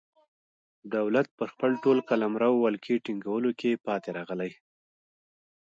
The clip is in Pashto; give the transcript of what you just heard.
دولت پر خپل ټول قلمرو ولکې ټینګولو کې پاتې راغلی.